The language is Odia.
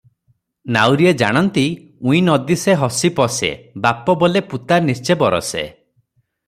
ନାଉରିଏ ଜାଣନ୍ତି, "ଉଇଁ ନ ଦିଶେ, ହସି ପଶେ, ବାପ ବୋଲେ ପୁତା-ନିଶ୍ଚେ ବରଷେ ।